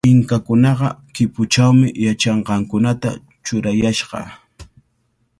Inkakunaqa kipuchawmi yachanqakunata churayashqa.